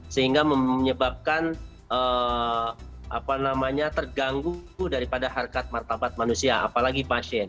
sehingga menyebabkan terganggu daripada harkat martabat manusia apalagi pasien